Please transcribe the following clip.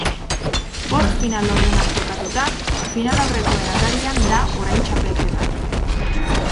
Bost final laurdenak jokatuta, finalaurrekoen atarian da orain txapelketa.